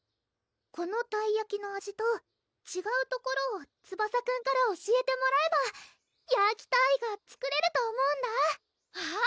このたいやきの味とちがうところをツバサくんから教えてもらえばヤーキターイが作れると思うんだあぁ！